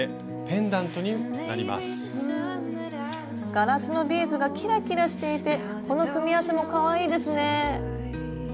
ガラスのビーズがキラキラしていてこの組み合わせもかわいいですね！